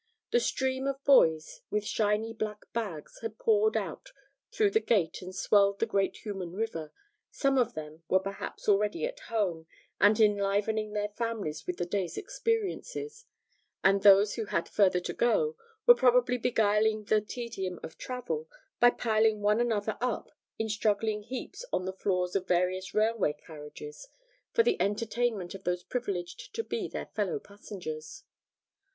The stream of boys with shiny black bags had poured out through the gate and swelled the great human river; some of them were perhaps already at home and enlivening their families with the day's experiences, and those who had further to go were probably beguiling the tedium of travel by piling one another up in struggling heaps on the floors of various railway carriages, for the entertainment of those privileged to be their fellow passengers.